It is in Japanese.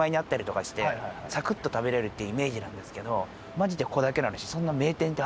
マジでここだけの話。